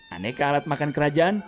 aneka alat makan kerajaan